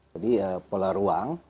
jadi pola ruang